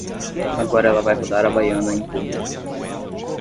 Agora ela vai rodar a baiana em público